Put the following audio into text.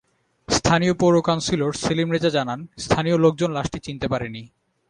স্থানীয় পৌর কাউন্সিলর সেলিম রেজা জানান, স্থানীয় লোকজন লাশটি চিনতে পারেনি।